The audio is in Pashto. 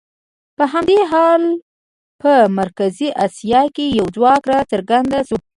په همدې حال کې په مرکزي اسیا کې یو ځواک راڅرګند شو.